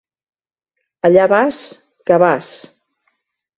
Allà vas, cabàs!